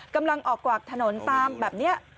กำลังออกกวากถนนตามแบบนี้